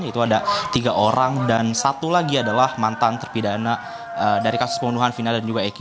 yaitu ada tiga orang dan satu lagi adalah mantan terpidana dari kasus pembunuhan final dan juga eki